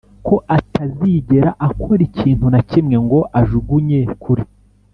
ko atazigera akora ikintu na kimwe ngo ajugunye kure